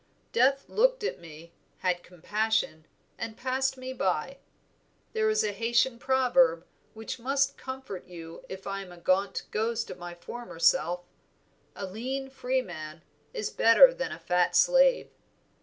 Death looked at me, had compassion, and passed by. There is a Haytien proverb which must comfort you if I am a gaunt ghost of my former self: 'A lean freeman is better than a fat slave.'